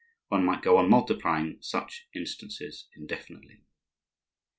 One might go on multiplying such instances indefinitely.